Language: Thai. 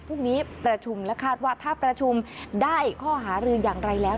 พรุ่งนี้ประชุมและคาดว่าถ้าประชุมได้ข้อหารืออย่างไรแล้ว